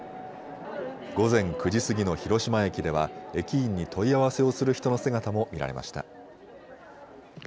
午前９時過ぎの広島駅では駅員に問い合わせをする人の姿も見られました。